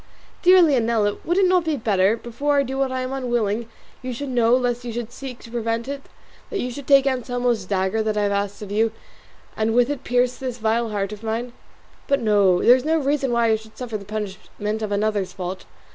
dear Leonela, would it not be better, before I do what I am unwilling you should know lest you should seek to prevent it, that you should take Anselmo's dagger that I have asked of you and with it pierce this vile heart of mine? But no; there is no reason why I should suffer the punishment of another's fault.